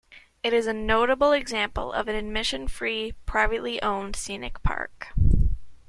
It is a notable example of an admission-free, privately owned scenic park.